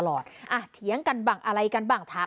สุดทนแล้วกับเพื่อนบ้านรายนี้ที่อยู่ข้างกัน